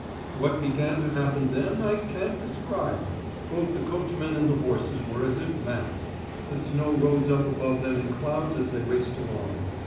What began to happen then I can't describe. Both the coachmen and the horses were as if mad; the snow rose up above them in clouds as they raced along.